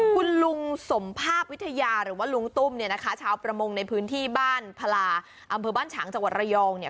คุณลุงสมภาพวิทยาหรือว่าลุงตุ้มเนี่ยนะคะชาวประมงในพื้นที่บ้านพลาอำเภอบ้านฉางจังหวัดระยองเนี่ย